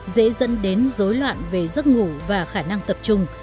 dễ dẫn đến dối loạn về giấc ngủ và khả năng tăng lượng